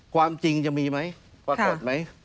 ความจริงจะมีไหมปรากฏไหม